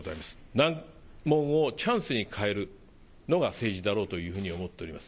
難問をチャンスに変えるのは政治だろうというふうに思っています。